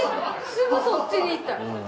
すぐそっちにいった。